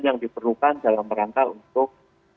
yang diperlukan dalam rangka untuk